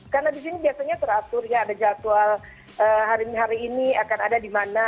karena disini biasanya teratur ya ada jadwal hari ini akan ada dimana